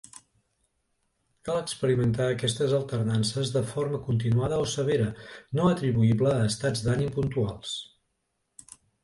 Cal experimentar aquestes alternances de forma continuada o severa, no atribuïble a estats d'ànim puntuals.